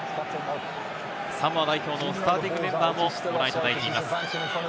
サモア代表のスターティングメンバーもご覧いただいています。